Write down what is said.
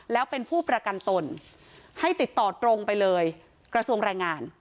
แล้วเป็นผู้ประกันตนให้ติดต่อตรงไปเลยกระทรวงแรงงาน